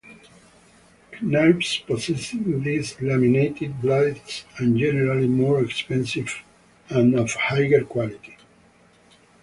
Knives possessing these laminated blades are generally more expensive and of higher quality.